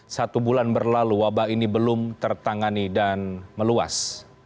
satu bulan berlalu wabah ini belum tertangani dan meluas